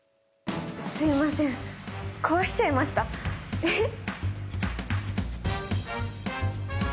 すいません壊しちゃいましたてへっ。